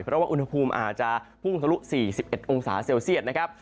เพราะว่าอุณหภูมิอาจจะพุ่งทะลุ๔๑องศาเซลเซียตนะครับ